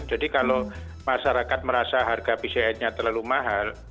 jadi kalau masyarakat merasa harga pcr nya terlalu mahal